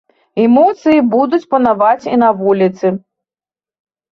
Эмоцыі будуць панаваць і на вуліцы.